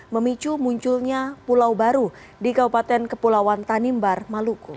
memicu munculnya pulau baru di kabupaten kepulauan tanimbar maluku